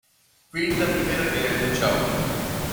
Fim da Primeira Guerra Mundial